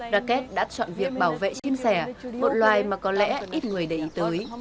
rakesh đã chọn việc bảo vệ chim sẻ một loài mà có lẽ ít người để ý tới